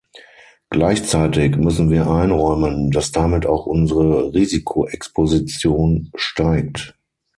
Gleichzeitig müssen wir einräumen, dass damit auch unsere Risikoexposition steigt.